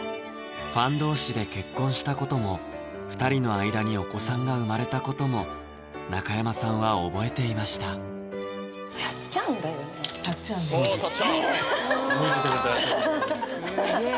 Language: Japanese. ファン同士で結婚したことも２人の間にお子さんが生まれたことも中山さんは覚えていましたハハハハハ